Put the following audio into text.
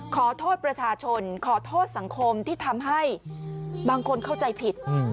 ขอโทษประชาชนขอโทษสังคมที่ทำให้บางคนเข้าใจผิด